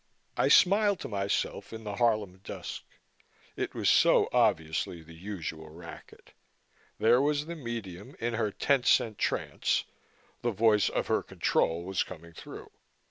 I smiled to myself in the Harlem dusk. It was so obviously the usual racket. There was the medium in her ten cent trance the voice of her "control" was coming through.